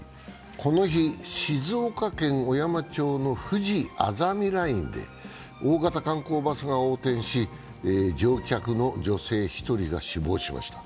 この日、静岡県小山町のふじあざみラインで大型観光バスが横転し乗客の女性１人が死亡しました。